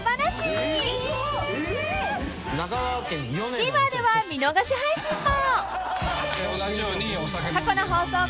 ［ＴＶｅｒでは見逃し配信も］